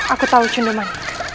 aku tahu cundeman